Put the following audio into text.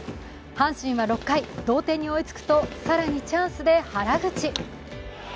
阪神は６回、同点に追いつくと更にチャンスで原口。